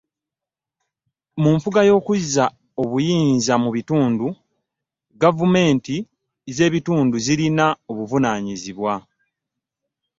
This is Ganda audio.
Mu nfuga y’okuzza obuyinza mu bitundu, gavumenti z’ebitundu zirina obuvunaanyizibwa.